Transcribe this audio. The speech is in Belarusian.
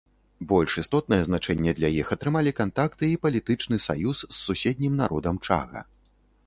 Больш істотнае значэнне для іх атрымалі кантакты і палітычны саюз з суседнім народам чага.